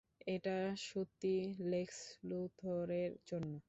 এটা সত্যিই লেক্স লুথরের জন্য?